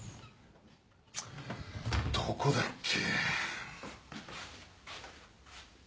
どこだっけ。